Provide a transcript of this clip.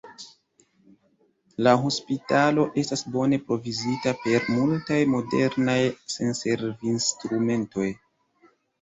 La hospitalo estas bone provizita per multaj modernaj sanservinstrumentoj.